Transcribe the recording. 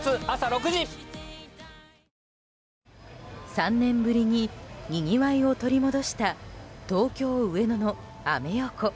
３年ぶりににぎわいを取り戻した東京・上野のアメ横。